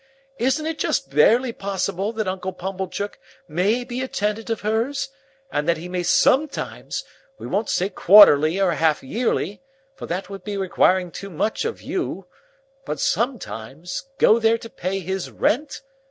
Isn't it just barely possible that Uncle Pumblechook may be a tenant of hers, and that he may sometimes—we won't say quarterly or half yearly, for that would be requiring too much of you—but sometimes—go there to pay his rent?